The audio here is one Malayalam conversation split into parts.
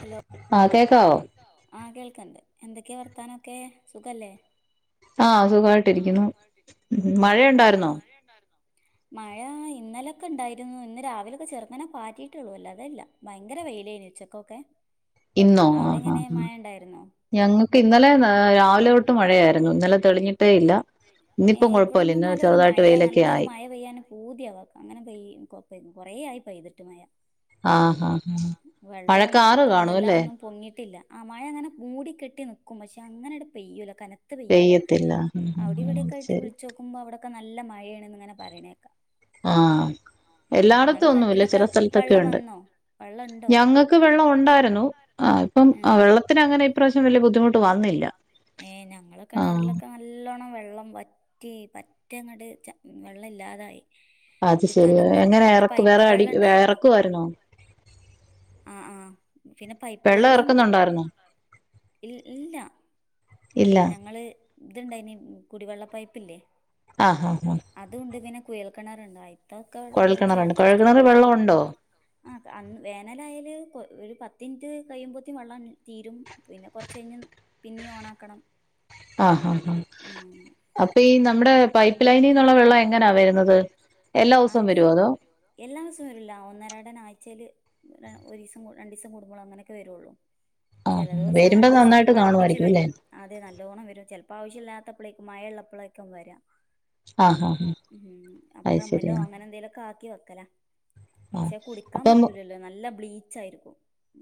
ഹലോ ആഹ് കേക്കാവോ ആഹ് കേൾക്കണ്ട് എന്തൊക്കെയാ വർത്താനംക്കെ സുഖല്ലേ ആഹ് സുഖായിട്ടിരിക്കുന്നു മഴയൊണ്ടാരുന്നോ? ഴ ണ്ടാരുന്നോ? മഴ ഇന്നലക്കെണ്ടാരുന്നു ഇന്ന് രാവിലക്കെ ചെറുങ്ങനെ ചാറ്റിട്ടെള്ളൂ അല്ലാതെല്ല. ഭയങ്കെര വെയിലെഞ് ഉച്ചക്കൊക്കെ. ഇന്നോ അവിടെ ആഹ് ആഹ് എങ്ങനെ ആഹ് മഴ ഉണ്ടായിരുന്നോ ഞങ്ങക്കിന്നലെ നാ രാവിലൊ ട്ടു മഴയാരുന്നു ഇന്നലെ തെളിഞ്ഞിട്ടേല്ല. ഏഹ് ഇവടന്നും നാലൊരു മയ വെയിലൊക്കെ നല്ലൊരു ആയി മയ പെയ്യാനു പൂതിയാവ അങ്ങനെ പെയ്യ് കൊ പെ കൊറേ ആയി പെയ്തിട്ട് മയ. ആ ഹാ ഹാ ആ വെള്ളോം മഴക്കാറ് ഇപ്പം കാണും അല്ലേ എല്ലാന്നും പൊങ്ങിട്ടില്ല ആ മഴ അങ്ങനെ മൂടിക്കെട്ടി നിക്കും പക്ഷേ അങ്ങനട് പെയ്യുല കന പെയ്യത്തില്ല. ഉം, ഉം, ഉം, അത് അവിടെവിടെക്കായിട്ട് ശരി വിളിച്ചോക്കുമ്പോ അവടൊക്കെ നല്ല മഴയാണന്നിങ്ങനെ പറയണേക്കാ ആഹ് ആഹ് ഉം ങ്ങളെ കെൺറ്റിലക്കെ വള്ളം ഉണ്ട് വന്നോ വെള്ളണ്ടോ ഞങ്ങൾക്ക് വെള്ളം ഞങ്ങക്ക് ഉണ്ടായിരുന്നു വെള്ളോണ്ടായിരുന്നു. ആ ഇപ്പം ആ, ഉം വെള്ളത്തിന് അങ്ങനെ ഇപ്രാവശ്യം വലിയ ബുദ്ധിമുട്ട് വന്നില്ല ഏഹ് ആ ഞങ്ങളക്കെണറിൽക്കെ ന ല്ലോണം വെള്ളം വറ്റി പറ്റങ്ങട് വെള്ളല്ലാതായി. അത് ശരി കുടിക്കാനൊന്നും എങ്ങനെ പിന്നെ ഇറക്ക് വേറെ പൈപ്പു അടി വേ- വെള്ളണ്ടായിരുന്നു ഇറക്കുമായിരുന്നോ ആഹ് ആഹ് പിന്നെ വെള്ളം പൈപ്പുവെള്ളോം ഇറക്കുന്നുണ്ടായിരുന്നോ ഇൽ ഇല്ല ഇല്ല ഞങ്ങള് ത്ണ്ടായിനി കുടിവെള്ള പൈപ്പില്ലേ ആഹ് ആഹ് ആഹ് അതുണ്ട് പിന്നെ കുയൽ കിണറുണ്ട് അയിത്തക്കെ വെള്ളം വെച്ച് കുഴൽക്കിണറുണ്ട് അഡ്ജസ്റ്റ് കുഴൽക്കിണർ ചെയ്തു വെള്ളം ഉണ്ടോ ആ അൺ വേനലായല് ഒരു പത്തിൻറ്റ് കഴിയുമ്പോത്തേ വെള്ളം തീരും പിന്നെ കൊറച്ചഴിഞ്ഞ് പിന്നേം ഓണാക്കണം. ആഹ് ആഹ് ഉം അപ്പ ഈ നമ്മടെ പൈപ്പ് ലൈനിനൊള്ള വെള്ളങ്ങനാ വെരുന്നത് എല്ലാ ദിവസവും വെരുവോ അതോ എല്ലാസോം വരില്ല ഒന്നരാടൻ ആഴ്ച്ചേല് ഒരിസം രണ്ടീസം കൂടുമ്പളങ്ങനക്കെ വരുള്ളൂ. ചെല ആഹ് ദിവസം വരുമ്പോ രണ്ടീസം നന്നായിട്ട് അടുപ്പിച്ച് കാണുമായിരിക്കും അല്ലേ വെരും. അതെ നല്ലോണം വെരും ചെൽപ്പോ ആവിശ്യല്ലാത്തപ്ലെക്കും മയ ള്ളപ്പളാക്കും വരാ ആഹ് ആഹ് ഉം അപ്പ അത് ഡ്രമ്മിലോ ശരിയാ അങ്ങനെന്തേലൊക്കെ ആക്കി വെക്കല ആഹ് ച്ചെ കുടിക്കാൻ അപ്പം പറ്റൂലല്ലോ നല്ല ബ്ലീച്ചാരിക്കും.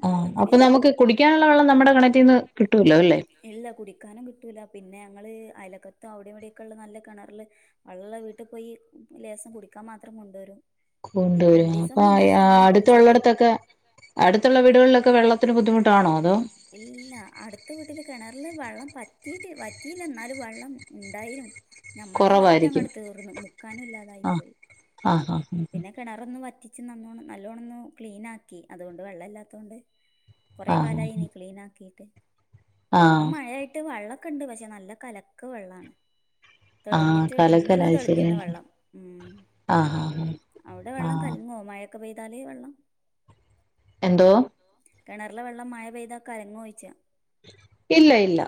ആ അപ്പ നമക്ക് കുടിക്കാനൊള്ള വെള്ളം നമ്മടെ കെണറ്റിന്ന് കിട്ടൂലോല്ലേ ഇല്ല കുടിക്കാനും കിട്ടൂല പിന്നെങ്ങള് അയൽക്കത്തോ അവടെവിടെയക്കയൊള്ള നല്ല കെണർല് ഉള്ള വീട്ടി പോയി ലേസം കുടിക്കാൻ മാത്രം കൊണ്ടൊരും കൊണ്ടുവരും അപ്പ അയ ക- ചെയ്തു അടുത്തൊള്ളിടത്തൊക്കെ അടുത്തൊള്ള വീടുകൾലൊക്കെ വെള്ളത്തിന്‌ ബുദ്ധിമുട്ടാണോ അതോ ഇല്ല അടുത്ത വീട്ടില് കെണർ ള്ള് വെള്ളം പറ്റീട്ട് വറ്റിയില്ലന്നാലു വള്ളം ഉണ്ടായ്നു ഞമ്മൾത് കുറവായിരിക്കും പറ്റെങ്ങട് തീർന്നു മുക്കാനുല്ലാതായി ആഹ് പോയി ആഹ് ആഹ് പിന്നെ കെണറൊന്ന് വറ്റിച്ച് നന്നോണം നല്ലോണന്ന് ക്ലീൻ ആക്കി അതുകൊണ്ട് വെള്ളല്ലാത്തോണ്ട് കൊറെ ആഹ് കാലായിനി ക്ലീൻ ആക്കിട്ട് ആഹ് ഇപ്പം ആഹ് മഴയായിട്ട് വെള്ളക്കണ്ട് പക്ഷെ നല്ല കലക്ക് വെള്ളാണ് ആഹ് തെൾഞ്ഞിട്ട് ഇന്നൊന്ന് കലക്കലായി തെളിഞീണ് ശരിയാണ് വെള്ളം ഉം ആഹ് ആഹ് ഔടെ ആഹ് വെള്ളം ആഹ് കൽങ്ങോ മഴൊക്കെ പെയ്താല് വെള്ളം എന്തോ കെണർ ലെ വെള്ളം മഴ പെയ്താ കലങ്ങോ യി ഇല്ല ഇല്ല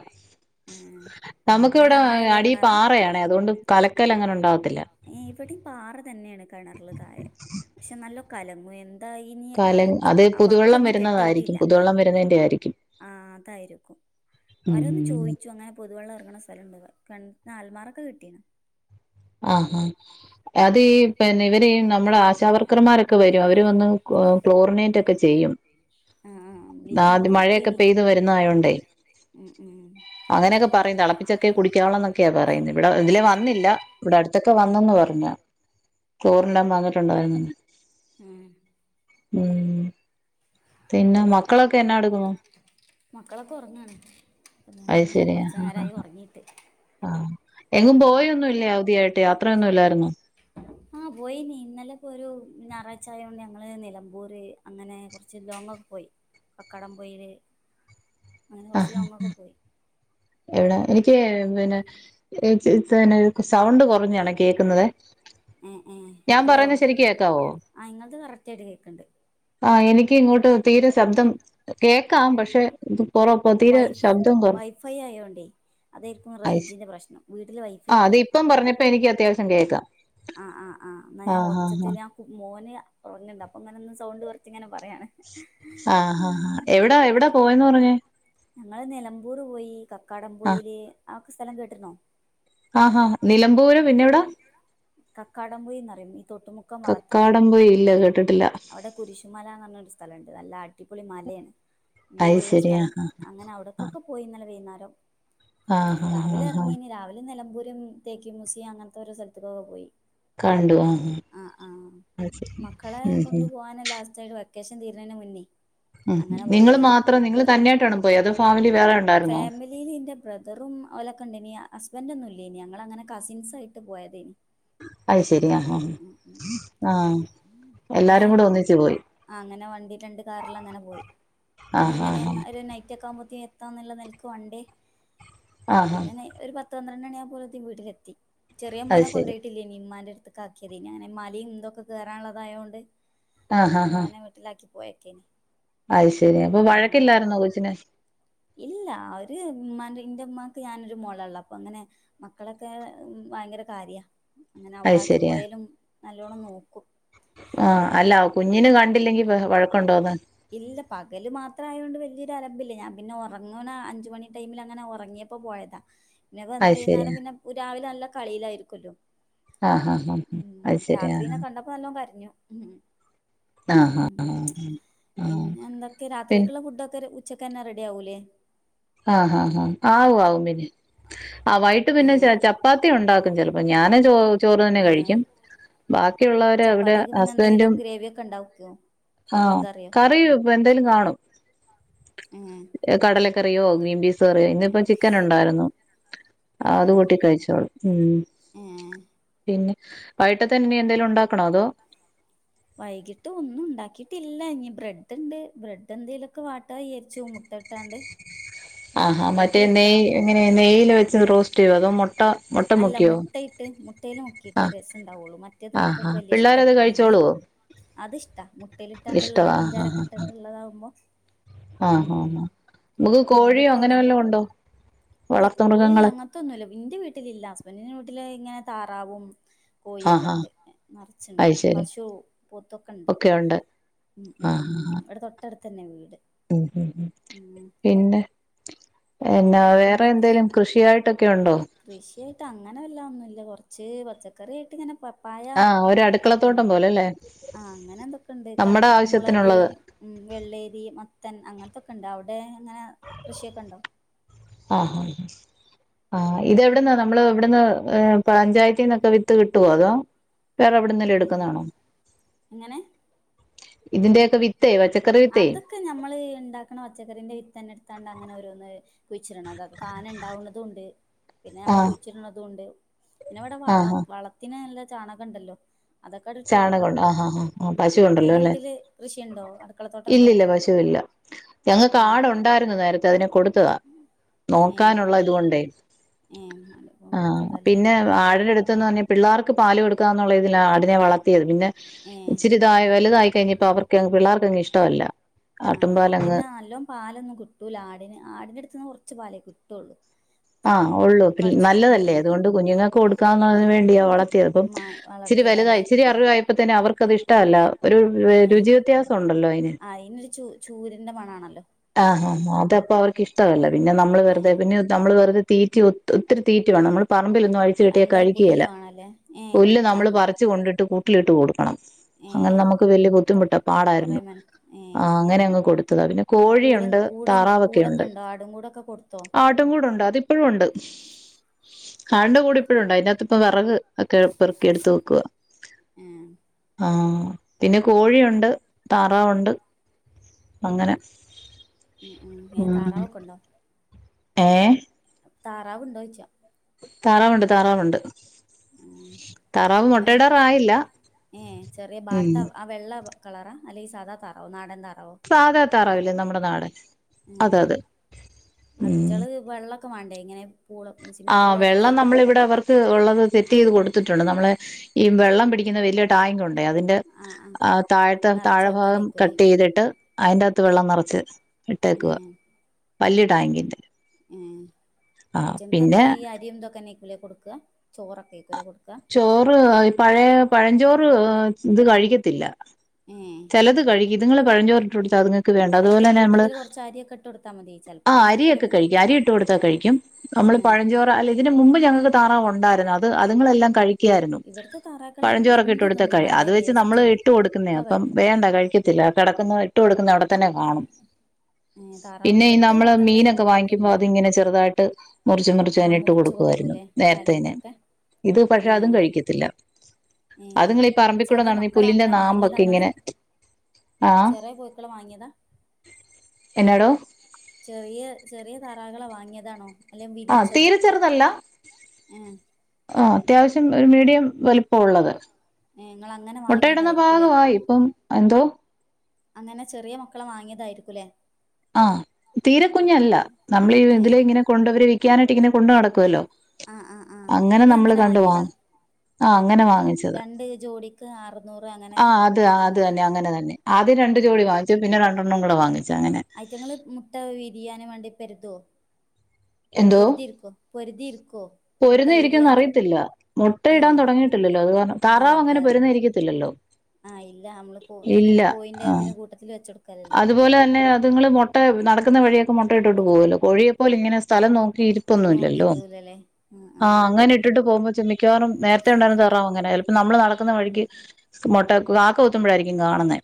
ആഹ് നമുക്ക് നല്ല വ്ടെ ആഴള്ള അടി കിണറാ പാറയാണെ അതുകൊണ്ട് കലക്കല ങ്ങനെ ഉണ്ടാകത്തില്ല ഏഹ് ഇവിടേം പാറ തന്നെയാണ് കെണറില് തായെ പക്ഷെ നല്ല കലങ്ങു എൻ തായിനി കല അത് അ പുതുവെള്ളം വക്കൊന്നും വരുന്നതായിരിക്കും കെട്ടിയിട്ടില്ല പുതുവെള്ളം വരുന്നതിന്റെ ആയിരിക്കും ആ തായിരും വരോന്ന് ഉം ചോയ്ച്ചു അങ്ങനെ പൊതുവെള്ളം എർങ്ങണ സ്ഥലം ണ്ട് ആൽമാറൊക്കെ കെട്ടീണ് ആഹാ അത് ഈ പിന്നെ വര് നമ്മടെ ആശാവർക്കർമാരൊക്കെ വരും അവര് വന്ന് കോ ക്ലോറിനേറ്റൊക്കെ ചെയ്യും ആഹ് ആഹ് ബ്ലീച്ചിങ് ആത് പൗഡർ മഴയൊക്കെ ഇട്ടീനി പെയ്ത് വരുന്ന ആയോണ്ടേ ഉം അങ്ങനെയൊക്കെ പറയും തളപ്പിച്ചൊക്കെ കുടിക്കാവണംന്നൊക്കെയാ പറയുന്നേ വടെ തിലെ വന്നില്ല വടെട്ത്തൊക്കെ വന്നന്ന് പറഞ് ക്ളോറിനിടാൻ വന്നിട്ടുണ്ടായിരുന്നു ഉം ഉം ഉം പിന്നെ മക്കളൊക്കെ എന്നാടുക്കുന്നു മക്കളൊക്കെ ഉറങ്ങാണ് അത് ഇങ്ങനെ ശരി ആ കുറച്ചു ഹാ നേരമായി ഹാ ഉറങ്ങിയിട്ട് ആ എങ്ങും പോയൊന്നുല്ലയോ തിയായിട്ട് യാത്രയൊന്നും ല്ലായിരുന്നോ ആഹ് പോയീനി ന്നലെ പ്പൊ രു ഞാറാഴ് ചായോണ്ട് ഞങ്ങള് നിലമ്പൂര് അങ്ങനെ ച്ച് ലോങ്ങൊക്കെ പോയി കക്കാടംപൊയിര് അങ്ങനെ കൊർച്ച് ആഹ് ലോങ്ങൊക്കെ പോയ് എവിടെ എനിക്ക് പിന്നെ എ സ് സെ നെ ക്ക് സൗണ്ട് കൊറഞ്ഞാണേ കേക്കുന്നതെ മ് മ് ഹലോ ആ ഇങ്ങൾത് കറക്റ്റായിട്ട് കേക്ക് ണ്ട് ആ എനിക്ക് ഇങ്ങോട്ട് തീരെ ശബ്ദം കേക്കാം പക്ഷെ ത് കൊറ പ്പൊ തീരെ ശബ്ദം കൊർ ഫൈ യായോണ്ടേ അതേയിര്ക്കും റേയ്ഞ്ചിന്റെ പ്രശ്നം വീട്ടിൽ വൈഫൈ ണ്ട് പ്പം പറഞ്ഞപ്പ എനിക്ക് അത്യാവശ്യം കേക്കാം ആ ആ ആ ന്നാ ഞാൻ ആഹ് ആഹ് ഒച്ചത്തില മോന് ഉർങ്‌ണ്ട് അപ്പം ങ്ങനൊന്ന് സൗണ്ട് കൊർച്ച് ങ്ങനെ പറയാണേ ആ ഹാ ഹാ എവിടാ എവിടാ പോയന്ന് പറഞ്ഞെ ഞങ്ങള് നിലമ്പൂർ പോയി കക്കാടം ആഹ് പോയില് ആ സ്ഥലം കേട്ട് നോ ആഹാ ഹാ നിലമ്പൂര് പിന്നെവിടാ കക്കാടം പൊയിൽ ന്നറിയും ഈ തോട്ട് മുക് കക്കാടം പോയിൽ ല്ല കേട്ട്ട്ടില്ല കുരിശുമലന്നർഞ്ഞൊരു സ്ഥലണ്ട് നല്ല അടിപൊളി മലേണ് വ്യൂ ള്ള അയ്ശരി സ്ഥലം ആഹ് അങ്ങനെ ആവുമ്പോ ക്കൊക്കെ പോയിന്നല്ലെ വൈന്നാരം ആഹ് ആഹ് ആഹ് രാവിലെ ആഹ് ആഹ് എർങ്ങീനി രാവിലെ നെലമ്പൂരും തേക്ക് മുസിയ ങ്ങൻത്തോരോ സ്ഥൽത്ത്ക്കൊക്കെ പോയി കണ്ടു ആഹ് ആഹ് ആ ആഹ് അത് ശരി മക്കളെ ഉം ഉം കൊണ്ടുപോവാന് ലാസ്റ്റായിപ്പോ പറ്റ് ക്കേഷൻ തീര്നേന് മുന്നേ ഉം അങ്ങനെ നിങ്ങൾ പോയതേനി മാത്രം നിങ്ങൾ തന്നേയിട്ടാണോ പോയെ അതോ ഫാമിലി വേറെ ണ്ടായിര്ന്നോ ലീലിന്റെ ബ്രദറും ഓലൊക്കെണ്ടേനി ഹസ്ബന്റൊന്നും ഇല്ലേനി ഞങ്ങളങ്ങനെ കസിൻസായിട്ട് പോയതേ അത് ശരി ഹ അഹ് ഉം ഉം പിന്നെ എല്ലാരും കൂടെ ഒന്നിച്ചു പോയി ആ ങ്ങനെ വണ്ടി രണ്ട് കാറിലങ്ങനെ പോയി ആ ഹാ വീവനെ ഹാ ഒരു നൈറ്റൊക്കാവുമ്പോത്തിന് ത്താന്ന്ള്ള നെൽക്ക് വണ്ടി ആ ഹാ പിന്നെന്ന് ഒരു പത്ത് പന്ത്രണ്ടണ്യായപ്പൊ ലത്തി വീട്ട്ലെത്തി ചെറിയ അത് മോനെ ശരി കൊണ്ടോയിട്ടില്ലേനി മ്മാന്റെട്ത്ത്ക്കാക്കിയതേനി അങ്ങനെ മലിം തൊക്കെ കേറാള്ളതായോണ്ട് ആ ഹാ ഹാ മോനെ വീട്ടിലാക്കി പോയക്കേനി അത് ശരി അപ്പൊ വഴക്കില്ലാർന്നോ കൊച്ചിന് ഇല്ല ഒര് മ്മാന്റെ ന്റെമാക്ക് ഞാനൊരു മോള ള്ളെ അപ്പ ങ്ങനെ മക്കളൊക്കെ ഭയങ്കര കാര്യാ അങ്ങനെ അത് ശരിയാ അവ്ടാക്കിപ്പോയാലും നല്ലോണം നോക്കും ആ അല്ല കുഞ്ഞിനും കണ്ടില്ലെങ്കി ബഹ് വഴക്കമുണ്ടോന്ന് ഇല്ല പകല് മാത്രം ആയത്ണ്ട് വലിയൊരു അലമ്പില്ല ഞാൻ പിന്നെ ഉറങ്ങണ അഞ്ച് മണി ടൈമിൽ അങ്ങനെ ഒറങ്ങിയപ് പ്പോ പോയതാ പിന്നെ അത് വന്ന് ശരിയാ വുന്നേരം പിന്നെ രാവിലെ നല്ല കളിയിലായിരിക്കുല്ലോ? ആഹ് ഹ ഹ അയ്ശരി ആഹ് കണ്ടപ്പോ നല്ലോം കരഞ്ഞു ഉം ഉം ഉം [inaudible] പിന്നെ എന്തൊക്കെ രാത്രിേക്കുള്ള ഫുഡൊക്കെ ഉച്ചക്ക് തന്നെ റെഡി ആകൂലേ? ആ ഹാ ഹാ ആവും ആവും പിന്നെ ആ വൈകിട്ട് പിന്നെ ഏഹ് ച ചപ്പാത് ത്തിയുണ്ടാക്കും ചെലപ്പം ഞാന് ചോ ചോറ് തന്നെ ഏഹ് കഴിക്കും ബാക്കിയുള്ളവര് അവരാ ചപ്പാത്തിക്ക് പിന്നെ എന്തെങ്കിലും ഹസ്ബൻ്റും ഗ്രേവിയൊക്കെ ഉണ്ടാക്കോ? മീൻ ആഹ് കറി ഇപ്പ എന്തേലും കാണും ഉം കടലക്കറിയോ ഗ്രീബീസ് കറിയോ ഇന്നപ്പോ ചിക്കൻ ഉണ്ടായിരുന്നു ആത് ഏഹ് കൂട്ടി കഴിച്ചോളും ഉം ഏഹ് പിന്നെ വൈകിട്ടത്തേന് ഇനിഎന്തെലും ഉണ്ടാക്കണോ അതോ? വൈകിട്ട് ഒന്നും ഉണ്ടാക്കിയിട്ടില്ല ഇനി ബ്രെഡ് ണ്ട് ബ്രെഡ് എന്തേലുക്കെ വാട്ടാ വിചാരിച്ചു മുട്ട ഇട്ടാണ്ട് ആഹാ ബ്രെഡ് മറ്റേ നെയ്യ് പൊരിക്കണം എങ്ങനെ നെയില് വെച്ച് ഇത് റോസ്റ്റ് ചെയോ അതോ മൊട്ട അല്ല മുട്ടയിട്ട് മുട്ടേൽ മുക്കിയിട്ടേ ആഹ് രസം ഉണ്ടാവുള്ളു മറ്റേത് ആഹാ മക്കൾക്ക് വലിയ പിള്ളേരത് ഇഷ്ടല്ല നെയ്യ് കഴിച്ചോളുവോ അത് ഇഷ്ട മുട്ടെല് ഇട്ടാണ്ട്ള്ളത് ഇഷ്ടവാ ആഹ് പഞ്ചാരൊക്കെ ആഹ് ആഹ് ഇട്ടിട്ടുള്ളതാവ്മ്പൊ ആഹ് ഉം ആഹ് നമുക്ക് മോനി കോഴിയോ ഇപ്പോ അങ്ങനെ ഇവിടെ വല്ലോം ഉണ്ടോ ഇല്ല വളർത്തു കോഴി മൃഗങ്ങള് അങ്ങ ത്തൊന്നുല്ല ഇന്റെ വീട്ടിലില്ല ഹസ്ബൻഡിന്റെ വീട്ടില് ഇങ്ങനെ താറാവും കോഴിയൊക്കെ ആഹാ ഉണ്ട് നെറച്ച്ണ്ട് അത് ശരി പശു പോത്തൊക്കെണ്ട് ഒക്കെ ഉണ്ട് ഉ ഉം ആഹ് ആഹ് ഇവിടെ തൊട്ടടുത്തന്നെ വീട് ഉം ഉം പിന്നെ എന്നാ വേറെ പിന്നെന്തൊക്കെയാ എന്തേലും കൃഷിയായിട്ടൊക്കെ ഉണ്ടോ കൃഷിയായിട്ട് അങ്ങനെ വല്ല ഒന്നുല്ല ഇല്ല കൊറച്ച് പച്ചക്കറി ആയിട്ട് ഇങ്ങനെ പപ്പായ ആഹ് ഒരു പിന്നെ അടുക്കളത്തോട്ടം പോലെല്ലേ ആഹ് അങ്ങനെ ഇതൊക്കെണ്ട് കർ നമ്മുടെ മുളക് ആവശ്യത്തിനുള്ളത് ഉം വെള്ളേരി മത്തൻ അങ്ങനത്തൊക്കെ ഉണ്ട് അവിടെ ഇങ്ങനെ കൃഷിയൊക്കെ ഉണ്ടോ ആഹ ആഹ ആഹ് ഇതെവിടന്നാ നമ്മള് ഇവിടന്ന് പഞ്ചായത്തിന്നൊക്കെ വിത്ത് കിട്ടോ അതോ വേറെവിടുന്നേലും ഉം എടുക്കുന്ന ആണോ അങ്ങനെ ഇതിന്റൊക്കെ വിത്തേ പച്ച അതൊക്കെ ഞമ്മള് ഇണ്ടാക്കണ പച്ചക്കറിന്റെ വിത്ത് തന്നെ ഇടുത്താണ്ട് അങ്ങനെ ഓരോന്ന് കുഴിച്ചിട്ണതാ താനെ ഉണ്ടാവ്ണതും ഇണ്ട് പിന്നെ നമ്മൾ ആഹ് കുഴിച്ചിട്ണതും ഇണ്ട് പിന്നെ ഇവിടെ ആഹ് വളം ആഹ് വള ത്തിന് നല്ല ചാണകം ഉണ്ടല്ലോ അതൊക്കെ അണ്ട് ഇട്ട് കൊടുക്കും ചാണകമുണ്ട് ഉണ്ട് ആഹ് ആഹ് ആഹ് ഉം പശു ഉം ഉണ്ടല്ലോ നിങ്ങളെ അല്ലെ വീട്ടില് കൃഷിയുണ്ടോ അടു ഇല്ലില്ല പശുവില്ല ഞങ്ങൾക്ക് ഏഹ് ആടു ഉണ്ടായിരുന്നു നേരത്തെ അതിനെ കൊടുത്ത് ഏഹ് നോക്കാനുള്ള കൊടു ഇതുകൊണ്ടേ ഏഹ് [unintelligible] പിള്ളാർക്ക് പാല് കൊടുക്കാന്നുള്ളതിലാ ആടിനെ വളത്തിയത് പിന്നെ ഏഹ് ഇച്ചിരി വലത വലുതായി കഴിഞ്ഞപ്പോ അവർക്ക് പിള്ളേർക്കങ് ഇഷ്ടല്ല ആഹ് ആഹ് പിന്നെ നല്ലോം പാലൊന്നും കിട്ടൂല ആടിന് ആടിന്റെ അടുത്ത്ന്ന് കുറച്ച് പാലേ കിട്ടുള്ളൂ ചെ ആഹ് ഉള്ളൂ കുറച്ച് ഉം നല്ലതല്ലേ ഉം അതുകൊണ്ട് കുഞ്ഞുങ്ങൾക്ക് ആ കൊടുക്കാന്നതിന് വേണ്ടിയാ വളർത്തിയത് അപ്പം മാ ഇച്ചിരി വളർത്തിയതാലേ വലുതായി ഇച്ചിരി അറിവായപ്പത്തേന് അവർക്ക്ത് ഇഷ്ടമല്ല ഒരു രുചി വ്യത്യാസം ഉണ്ടല്ലോ അയ്ന് അയ്നൊരു ചൂര് ചൂരിന്റെ മണാണല്ലോ ആട്ടിന് ആഹ്ആഹ് അത അപ്പൊ അവർക്ക് ഇഷ്ടല്ല പിന്നെ നമ്മള് ഏ വെറുതെന്നെ നമ്മള് വെറുതെ തീറ്റി ഒത്തിരി തീറ്റ വേണം നമ്മള് പറമ്പിലൊന്നും അഴിച്ച് കെട്ടിയാൽ ഭയങ്കര പുല്ല് കഴിക്കുകേല വേണല്ലേ ഏ പുല്ല് നമ്മള് അങ്ങ് പറച്ച് കൊണ്ടിട്ട് കൂ ട്ടിലിട്ട് കൊടുക്കണം ഏ അങ്ങനെ നമുക്ക് വലിയ ബുദ്ധിമുട്ട കൊറെ പാടായിരുന്നു മെന ഏ ആഹ് അങ്ങനെ അങ്ങ് കൊടുത്തതാ പിന്നെ അപ്പൊ കൂട കോഴിയുണ്ട് കൂട് താറാവൊക്കെ ഉണ്ട് കൂടൊക്കെ ഉണ്ടോ ആടും കൂടൊക്കെ കൊടുത്തോ ആട്ടും കൂടുണ്ട് അതിപ്പഴും ഒണ്ട് ആടിന്റെ കൂട് ഇപ്പഴും ഉണ്ട് അതിനാത്ത്പ്പൊ വെറക് ഒക്കെ പെറുക്കി എടുത്ത് വെക്കുവാ ഏ ആഹ് പിന്നെ കോഴിയൊണ്ട് താറാവൊണ്ട് അങ്ങനെ ഉം ഉം ഏഹ് താറാവൊക്കൊണ്ടോ ഏഹ് താറാവ് ണ്ടോയ്ച്ച താറാവുണ്ട് താറാവുണ്ട് ഉം താറാവ് എങ്ങനെ മുട്ടയിടാറായില്ല ഏ ചെറിയ ഉം ബാത്ത ആ വെള്ള കളറാ അല്ലെങ്കിൽ സാദാ തറാവോ നാടൻ താറാവോ സാധാ താറാവില്ലേ നമ്മുടെ നാടൻ ഏ അത് അത് അതിറ്റള് വെള്ളൊക്കെ വാണ്ടേ ഇങ്ങനെ പൂള് സ്വിമ്മിംഗ് ആഹ് പൂൾ പോലത്തെ വെള്ളം നമ്മളിവിടെ അവർ ക്ക് ഒള്ളത് സെറ്റ് ചെയ്ത് കൊടുത്തിട്ടുണ്ട് നമ്മളെ ഈ വെള്ളം പിടിക്കുന്ന വലിയ ടാങ്കുണ്ടെ അതിന്റെ ആ ആ താഴത്തെ നിറച്ച് താഴെഭാഗം വെക്കലേക്കൂലേ കട്ടൈയ്ത്ട്ട് ഐന്റാത്ത് വെള്ളം നിറച്ച് ഏ ഇട്ടേക്കുവാ വല്ല്യ ടാങ്കിന്റെ ഏഹ് ആ ഐറ്റങ്ങക്ക് പിന്നെ എന്താ ഈ അരീം ഇതൊക്കെന്നേക്കുംലെ കൊട് ക്കാ ചോറ് ഒക്കെ എയ്ക്കുലെ കൊട്ക്കാ. ചോറ് ഈ പഴെ പഴഞ്ചോറ് ഏഹ് ഇത് കഴിക്കത്തില്ല. ഏ ചെലെത് കഴിക്കും ഇത്ങ്ങെൾ പഴഞ്ചോറ് ഇട്ട് കൊട്ത്താ അത്ങ്ങെക്ക് വേണ്ടാ അത് അതില് പോലെന്നെ നമ്മെൾ കൂട്ടത്തിൽ കുറച്ച് അരിയൊക്കെ ഇട്ട് കൊടുത്താൽ മതി ചിലപ്പോ ആഹ് അങ്ങനൊക്കെ അരിയൊക്കെ എടുത്ത് കഴിക്കും അരി ഇട്ട് കൊടുത്താ കഴിക്കും ഏ നമ്മള് പഴഞ്ചോറ്. [unintelligible] അല്ലെ ഇതിന്റെ മുമ്പ് ഞങ്ങെക്ക് താറാവ് ഒണ്ടായിര്ന്ന് അത് അത്ങ്ങെൾ എല്ലാം കഴി ക്ക്യായിരുന്നു ഇവിടുത്തെ താറാക്കൾ അങ്ങ് പഴഞ്ചോറൊക്കെ ഇട്ട് എന്ത് കൊട്ത്താ തിന്നും കഴി വള അത് വെച്ച് നമ്മള് വേസ്റ്റും ഇട്ട് കൊട്ക്ക്ന്നെയാ ഒക്കെ അപ്പം കഴിക്കും വേണ്ട കഴിക്ക ത്തില്ല കെടക്ക്ന്നെത് ഇട്ട് കൊട്ക്ക്ന്നെ അവ്ടെ തെന്നെ കാണും ഏ താറാവ് പിന്നെയ് ഇവിടുത്തെ നമ്മൾ താറാക്കള് മീനൊക്കെ വാങ്ങിക്കിമ്പോ തിന്നും അത് ഇങ്ങനെ ചെറുതായിട്ട്. മുറിച്ച് മുറിച്ച് ആഹ് അയിന് ഇട്ട് കൊടുക്കുവായിരുന്നു കൊടുക്കൂലേ നേര്ത്തെയിന്. തലേന്തൊക്കെ ഇത് പഷെ അതും ഏഹ് കഴിക്കത്തില്ല. അത് ഏഹ് ഇങ്ങെൾ ഈ പറമ്പിക്കൂടെ ചെറിയ നടന്ന് ഈ മക്കള പുല്ലിന്റെ അങ്ങനെ നാമ്പൊക്കെ ഇങ്ങനെ. ആ ചെറെ കോഴിക്കളെ വാങ്ങിയെതാ. എന്നാ ഡോ. ചെറിയ ചെറെ താറാവ്കളെ വാങ്ങിയെതാണോ? അല്ലെയ് ആ വിരീച്ചതോ? തീരെ ഏഹ്. ആഹ് അത്യാവ്ശ്യം ഒര് മീഡിയം വെൽപ്പം ഉള്ളത്. ഏഹ് ഇങ്ങള് അങ്ങനെ മുട്ടയിടുന്ന വാങ്ങിയതായിരിക്കുംല്ലേ പാകവായി ഇപ്പം എന്തോ? അങ്ങനെ ചെറെ മക്കളെ വാങ്ങിയെതായിരിക്കും ലെ ആഹ് തീരെ കുഞ്ഞ് അല്ല നമ്മെൾ ഈ ഏഹ് ഇതിലെ ഇങ്ങനെ കൊണ്ട് വെരും വിക്കാനായിട്ട് ഇങ്ങനെ കൊണ്ട് നടക്കുവല്ലോ. ആഹ് ആഹ് ആഹ് ഇവെടിം നമ്മള് അങ്ങനെ കണ്ട് വാങ്ങിയെതാ വാങ്ങും അങ്ങനെ രണ്ട് ജോഡിക്ക് ആറ് ആഹ് അത് അത് തെന്നെ അങ്ങനെ തന്നെ ആദ്യം രണ്ട് ആഹ് ജോഡി വാങ്ങ്ച്ചു പിന്നെ രണ്ടെണ്ണം കൂടെ വാങ്ങിച്ച് അങ്ങനെ. ഇറ്റെങ്ങൾ മുട്ട വിരിയാന് മാണ്ടി പെര്തോ? പൊര്തി ഇര്ക്കോ? പൊര്തി ഇര്ക്കോ? പൊരിന്നി ഇരിക്കോന്ന് അറിയത്തില്ല മുട്ടയിടാൻ ഏഹ് തൊടങ്ങിട്ട് ഇല്ലല്ലോ? അത് കാരണം ആഹ് താറാവ് അതെ അങ്ങനെ അതെ പൊരുന്നിയിരിക്കത്തില്ലല്ലോ? ആഹ് ഇല്ല അമ്മെൾ കോഴി എങ്ങനെ കോഴിന്റെ ഇതിന് കൂട്ടത്തിൽ വെച്ചൊട് അതു പോലെ തന്നെ അത് ഇങ്ങെൾ മൊട്ട നടക്ക്ന്ന വഴി ഒക്കെ മൊട്ട ഇട്ടിട്ട് പോവു അല്ലോ കോഴിയെ പോലെ ഇങ്ങനെ സ്ഥലം നോക്കി ഇരി ത്തൊന്നും ഇല്ലല്ലോ? ആഹ് അങ്ങനെ ഇട്ടിട്ട് പോവുമ്പോ [unintelligible] മിക്കവാറും നേര്ത്തെ ഉണ്ടായിരുന്ന തറാവും അങ്ങനെ ചെൽപ്പം നമ്മെൾ നടക്കുന്ന വഴിക്ക് മൊട്ടയൊക്കെ കാക്ക കൊത്തുമ്പഴായിരിക്കും കാണുന്നെ.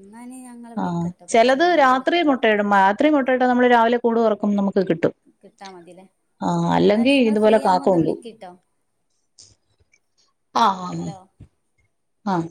ഇന്നാ ഇഞ്ഞ് ഞങ്ങ ആഹ് ചെലത് രാത്രി മൊട്ടയിടും ആത്രി മൊട്ടയിട്ടാ നമ്മൾ രാവിലെ കൂട് തൊറക്കും നമുക്ക് കിട്ടും. കിട്ടാ മതില്ലേ ആഹ് എന്നാല് അല്ലെങ്കി നിങ്ങള് ഫ്രീ ഇതുപോലെ കാക്ക ആകുമ്പോ ഒന്ന് കൊണ്ടോവും. വിളിക്കിട്ടോ ആഹ് ആഹ് ആന്ന് ഹലോ ആഹ്.